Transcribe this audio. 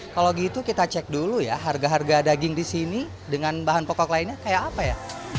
kalau gitu kita cek dulu ya harga harga daging di sini dengan bahan pokok lainnya kayak apa ya